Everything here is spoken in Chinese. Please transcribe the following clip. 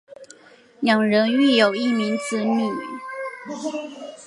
两人育有一名子女。